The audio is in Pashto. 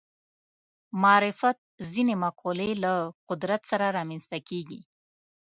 معرفت ځینې مقولې له قدرت سره رامنځته کېږي